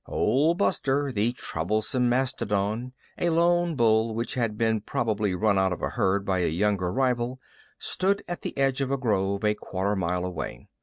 Old Buster, the troublesome mastodon, a lone bull which had been probably run out of a herd by a younger rival, stood at the edge of a grove a quarter mile away.